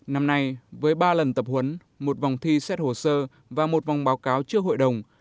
năm nay với ba lần tập huấn một vòng thi xét hồ sơ và một vòng báo cáo trước hội đồng